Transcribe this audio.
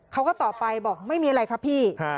เขาก็ตอบไปบอกไม่มีอะไรครับพี่